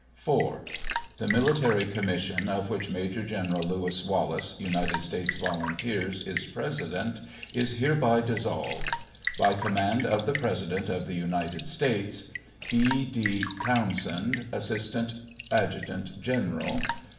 IV. The military commission, of which Major General Lewis Wallace, United States volunteers, is president, is hereby dissolved. By command of the President of the United States : E. D. T0WN8END, Assistant Adjutant General.